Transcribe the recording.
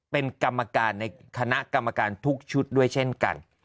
เป็นกรรมการในคณะกรรมการทุกชุดด้วยเช่นกัน